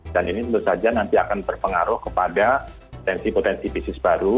dan ini tentu saja nanti akan berpengaruh kepada potensi potensi bisnis baru